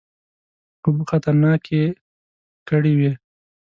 اوبه خطرناکه کړي وې.